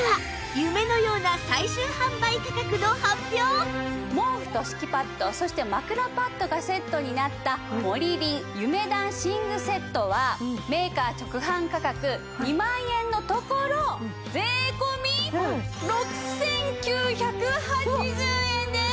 それでは毛布と敷きパッドそして枕パッドがセットになったモリリン夢暖寝具セットはメーカー直販価格２万円のところ税込６９８０円です！